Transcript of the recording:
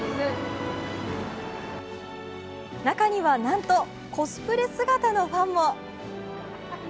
中にはなんと、コスプレ姿のファンも。